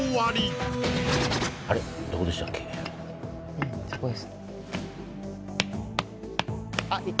うんそこです